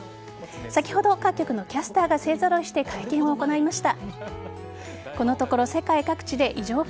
先ほど各局のキャスターが勢ぞろいして会見を行いました。